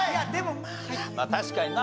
まあ確かにな。